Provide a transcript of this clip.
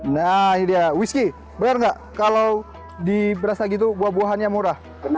nah ini dia whisky benar tidak kalau di brastagi itu buah buahannya murah